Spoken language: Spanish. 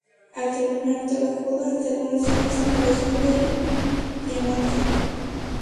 Al terminar, trabajó durante algunos años en la región del Piemonte.